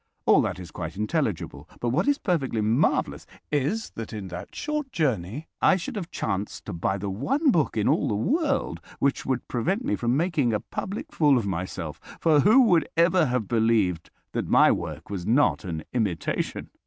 All that is quite intelligible. But what is perfectly marvellous is that in that short journey I should have chanced to buy the one book in all the world which would prevent me from making a public fool of myself, for who would ever have believed that my work was not an imitation?